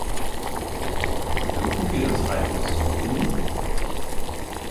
Dürfen wird das einfach so tun?